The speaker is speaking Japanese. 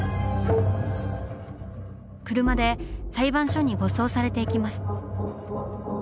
車で裁判所に護送されていきます。